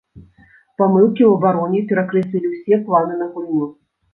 Памылкі ў абароне перакрэслілі ўсе планы на гульню.